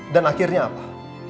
dan akhirnya apa